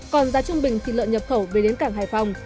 còn giá trung bình thịt lợn nhập khẩu về đến cảng hải phòng